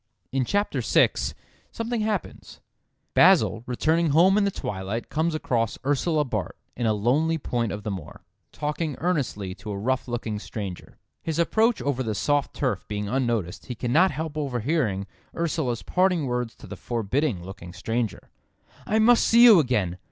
In chapter six something happens: "Basil, returning home in the twilight, comes across Ursula Bart, in a lonely point of the moor, talking earnestly to a rough looking stranger. His approach over the soft turf being unnoticed, he cannot help overhearing Ursula's parting words to the forbidding looking stranger: 'I must see you again!